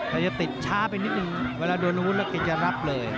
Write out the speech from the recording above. แต่จะติดช้าไปนิดนึงเวลาโดนอาวุธก็จะรับเลย